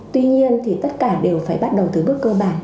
tuy nhiên thì tất cả đều phải bắt đầu từ bước cơ bản